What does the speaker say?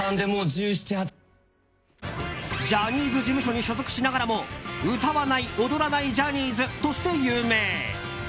ジャニーズ事務所に所属しながらも歌わない・踊らないジャニーズとして有名。